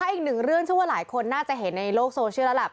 อีกหนึ่งเรื่องเชื่อว่าหลายคนน่าจะเห็นในโลกโซเชียลแล้วล่ะ